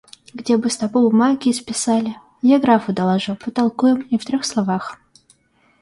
Где бы стопу бумаги исписали, я графу доложу, потолкуем, и в трех словах.